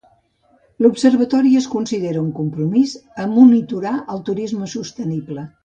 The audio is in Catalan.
L'observatori es considera un compromís a monitorar el turisme sostenible.